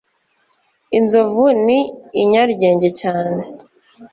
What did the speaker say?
Inzovu ni inyaryenge cyane.